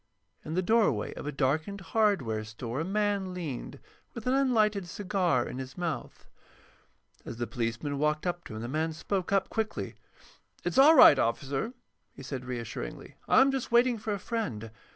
In the doorway of a darkened hardware store a man leaned, with an unlighted cigar in his mouth. As the policeman walked up to him the man spoke up quickly. "It's all right, officer," he said, reassuringly. "I'm just waiting for a friend.